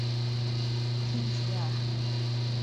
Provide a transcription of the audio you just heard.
天主呀